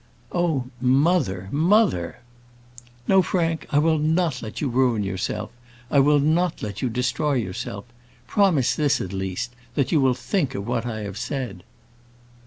"Oh, mother! mother!" "No, Frank, I will not let you ruin yourself; I will not let you destroy yourself. Promise this, at least, that you will think of what I have said."